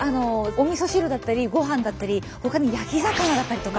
おみそ汁だったりご飯だったりほかに焼き魚だったりとか。